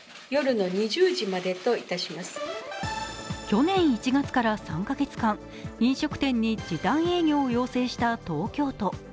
去年１月から３カ月間、飲食店に時短営業を要請した東京都。